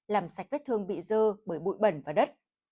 làm sạch vết thương bị dơ bởi bụi bẩn và đất